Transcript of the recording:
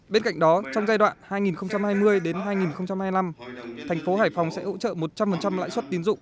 bên cạnh đó trong giai đoạn hai nghìn hai mươi hai nghìn hai mươi năm thành phố hải phòng sẽ hỗ trợ một trăm linh lãi suất tiến dụng